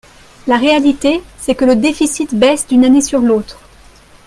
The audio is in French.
La réalité, c’est que le déficit baisse d’une année sur l’autre.